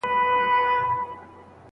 عملي ټولنپوهان يوه تګلاره جوړوي.